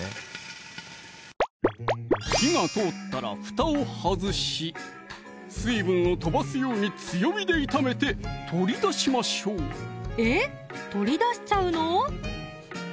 火が通ったら蓋を外し水分を飛ばすように強火で炒めて取り出しましょうえっ取り出しちゃうの？